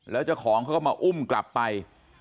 แล้วเจ้าของเขาก็มาอุ้มกลับไป